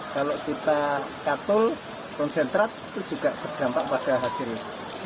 kalau kita katul konsentrat itu juga berdampak pada hasilnya